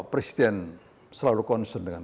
presiden selalu konsen dengan